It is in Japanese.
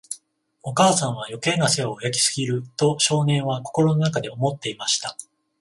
お母さんは、余計な世話を焼きすぎる、と少年は心の中で思っていました。